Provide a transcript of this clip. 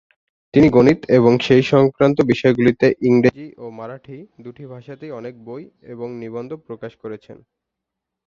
তিনি গণিত এবং সেই সংক্রান্ত বিষয়গুলিতে ইংরেজি ও মারাঠি দুটি ভাষাতেই অনেক বই এবং নিবন্ধ প্রকাশ করেছেন।